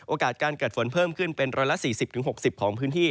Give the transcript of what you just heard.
การเกิดฝนเพิ่มขึ้นเป็น๑๔๐๖๐ของพื้นที่